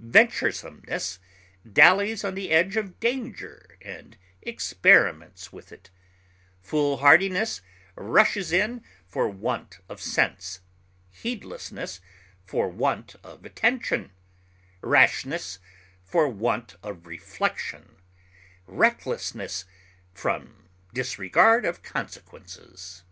Venturesomeness dallies on the edge of danger and experiments with it; foolhardiness rushes in for want of sense, heedlessness for want of attention, rashness for want of reflection, recklessness from disregard of consequences.